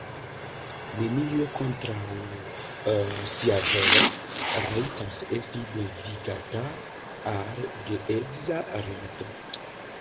Neniu kontraŭ sia volo rajtas esti devigata al geedza rilato.